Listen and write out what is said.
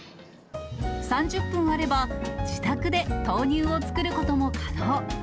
３０分あれば、自宅で豆乳を作ることも可能。